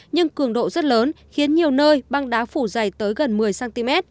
nhưng cường độ rất lớn khiến nhiều nơi băng đá phủ dày tới gần một mươi cm